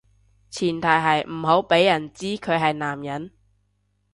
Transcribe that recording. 前提係唔好畀人知佢係男人